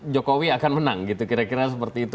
jokowi akan menang gitu kira kira seperti itu